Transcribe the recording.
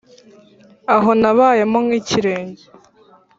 aho nabayemo nk'ikirenge